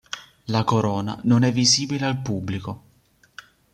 La corona non è visibile al pubblico.